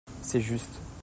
C'est juste.